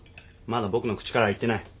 まだ僕の口からは言ってない。